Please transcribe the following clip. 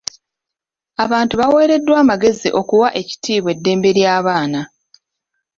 Abantu baaweereddwa amagezi okuwa ekitiibwa eddembe ly'abaana.